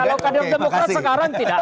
kalau kader demokrat sekarang tidak